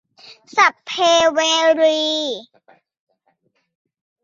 สัพเพเวรี